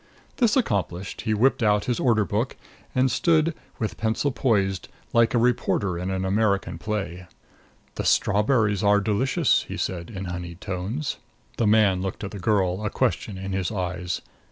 This accomplished, he whipped out his order book, and stood with pencil poised, like a reporter in an American play. "The strawberries are delicious," he said in honeyed tones. The man looked at the girl, a question in his eyes.